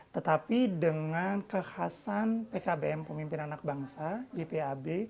tetapi dengan kekhasan pkbm pemimpin anak bangsa ypab